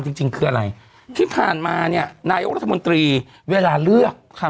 จริงจริงคืออะไรที่ผ่านมาเนี่ยนายกรัฐมนตรีเวลาเลือกค่ะ